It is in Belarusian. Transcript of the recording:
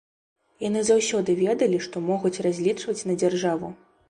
Яны заўсёды ведалі, што могуць разлічваць на дзяржаву.